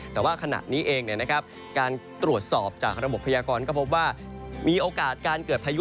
แต่ว่าขณะนี้เองการตรวจสอบจากระบบพยากรก็พบว่ามีโอกาสการเกิดพายุ